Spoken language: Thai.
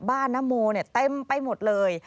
นโมเนี่ยเต็มไปหมดเลย